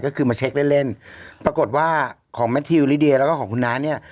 ก็คือมาเช็คเล่นเล่นปรากฏว่าของแมททิวลิเดียแล้วก็ของคุณน้าเนี่ย